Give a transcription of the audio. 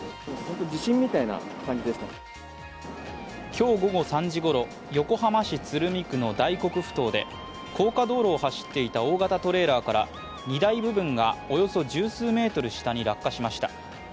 今日午後３時ごろ、横浜市鶴見区の大黒ふ頭で、高架道路を走っていた大型トレーラーから荷台部分がおよそ十数ｍ下に落下しました。